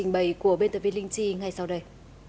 bày của bên tập viên linh chi ngay sau đây